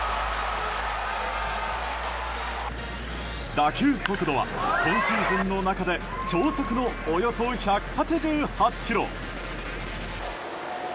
打球速度は今シーズン中で超速のおよそ１８８キロ。